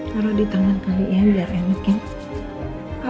taruh di tangan kali ya biar enak ya